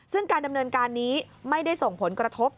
ซึ่งการดำเนินการนี้ไม่ได้ส่งผลกระทบ